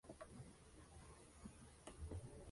En su territorio se explotan yacimientos de bauxita.